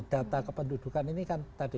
data kependudukan ini kan tadi